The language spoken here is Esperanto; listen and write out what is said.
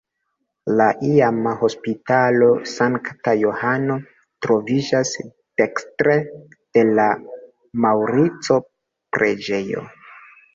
La iama Hospitalo Sankta Johano troviĝas dekstre de la Maŭrico-preĝejo.